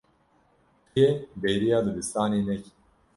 Tu yê bêriya dibistanê nekî.